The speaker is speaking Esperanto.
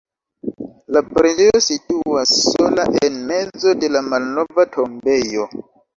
La preĝejo situas sola en mezo de la malnova tombejo.